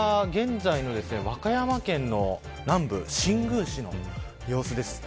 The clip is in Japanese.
こちらが現在の岡山県の南部新宮市の様子です。